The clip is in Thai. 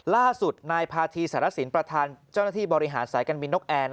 ล่าสุดนายพาธีสารสินประธานเจ้าหน้าที่บริหารสายการบินนกแอร์